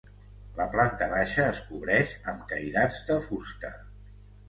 La planta baixa es cobreix amb cairats de fusta.